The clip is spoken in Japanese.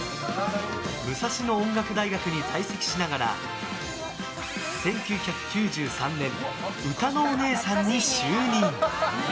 武蔵野音楽大学に在籍しながら１９９３年歌のおねえさんに就任。